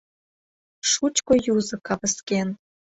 Шучко юзо кавыскен.